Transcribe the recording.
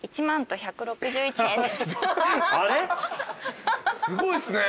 １万と１６１円です。